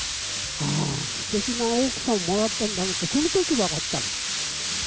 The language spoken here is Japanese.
あー、すてきな奥さんもらったんだなって、そのとき分かったの。